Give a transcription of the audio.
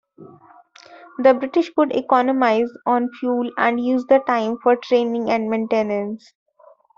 The British could economise on fuel and use the time for training and maintenance.